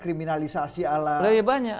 kriminalisasi ala banyak